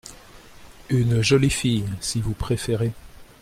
Une jolie fille, si vous préférez…